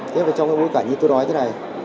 thế và trong cái bối cảnh như tôi nói thế này